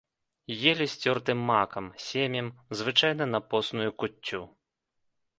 Елі з цёртым макам, семем, звычайна на посную куццю.